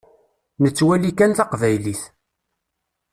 Nettwali kan taqbaylit.